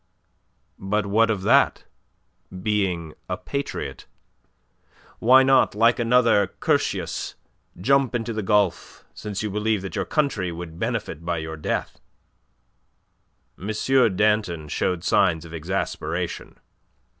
"But what of that being a patriot? Why not, like another Curtius, jump into the gulf, since you believe that your country would benefit by your death?" M. Danton showed signs of exasperation.